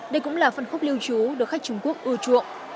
đây cũng là phân khúc lưu trú được khách trung quốc ưa chuộng